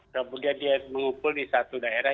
kemudian dia mengumpul di satu daerah